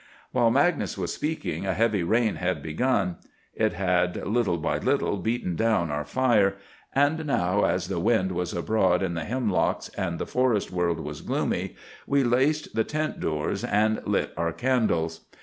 '" While Magnus was speaking, a heavy rain had begun. It had little by little beaten down our fire; and now, as the wind was abroad in the hemlocks and the forest world was gloomy, we laced the tent doors and lit our candles.